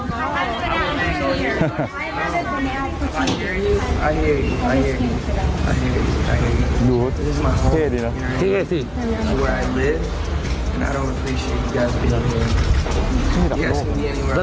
ดูเท่ดีนะ